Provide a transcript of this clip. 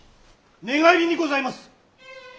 寝返りにございます！